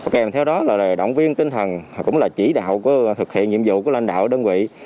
kèm theo đó là động viên tinh thần cũng là chỉ đạo thực hiện nhiệm vụ của lãnh đạo đơn vị